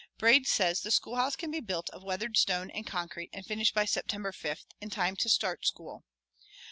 Braid says the schoolhouse can be built of weathered stone and concrete and finished by September fifth, in time to start school.